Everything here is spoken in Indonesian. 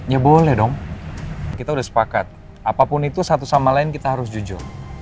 ya boleh dong kita udah sepakat apapun itu satu sama lain kita harus jujur